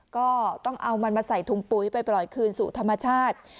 ก็ต้องเอามันมาใส่ถุงปุ๋ยไปปล่อยคืนสู่ธรรมชาติ